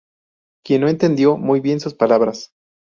Quien no entendió muy bien sus palabras.